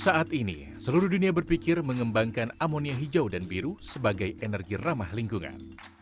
saat ini seluruh dunia berpikir mengembangkan amonia hijau dan biru sebagai energi ramah lingkungan